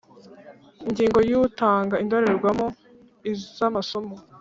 Ingingo y Utanga indorerwamo z amaso